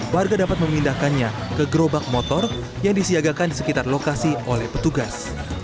warga dapat memindahkannya ke gerobak motor yang disiagakan di sekitar lokasi oleh petugas